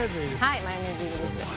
はいマヨネーズ入りです。